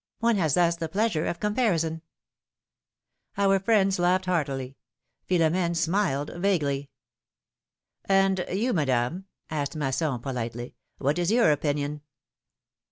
One has thus the pleasure of com parison !" Our friends laughed heartily : Philom^ne smiled vaguely. And you, Madame," asked Masson, politely, what is your opinion